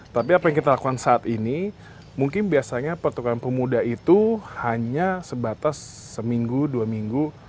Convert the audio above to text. tapi apa yang kita lakukan saat ini mungkin biasanya pertukaran pemuda itu hanya sebatas seminggu dua minggu